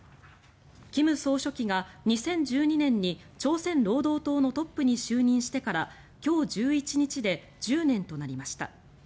金総書記が２０１２年に朝鮮労働党のトップに就任してから今日１１日で１０年となりました。